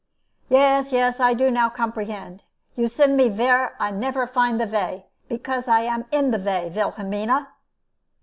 "Yes, yes; I do now comprehend. You send me vhere I never find de vay, because I am in de vay, Vilhelmina!"